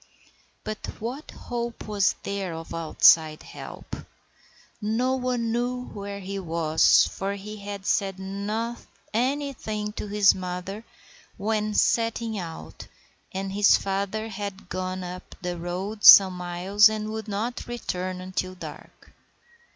But what hope was there of outside help? No one knew where he was, for he had not said anything to his mother when setting out, and his father had gone up the road some miles and would not return until dark.